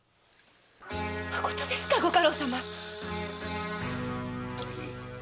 まことですか御家老様⁉うむ。